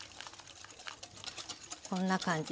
こんな感じ